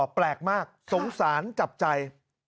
แปลกมากสงสารจับใจ